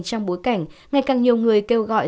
trong bối cảnh ngày càng nhiều người kêu gọi